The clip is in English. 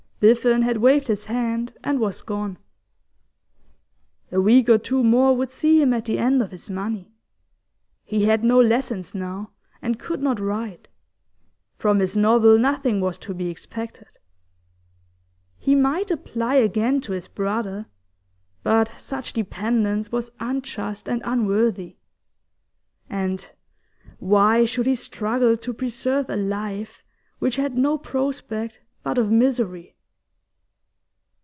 Biffen had waved his hand, and was gone. A week or two more would see him at the end of his money. He had no lessons now, and could not write; from his novel nothing was to be expected. He might apply again to his brother, but such dependence was unjust and unworthy. And why should he struggle to preserve a life which had no prospect but of misery?